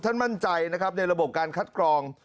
ท่านมั่นใจในระบบการคัดกรอง